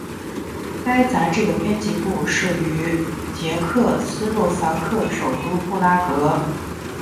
该杂志的编辑部设于捷克斯洛伐克首都布拉格。